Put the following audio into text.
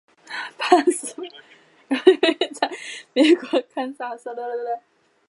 巴恩斯维尔为位在美国堪萨斯州波旁县的非建制地区。